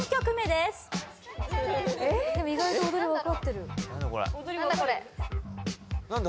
でも意外と踊り分かってる何だ